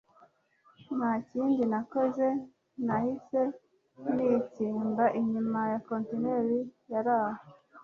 ntakindi nakoze nahise nitsimba inyuma ya contineri yaraho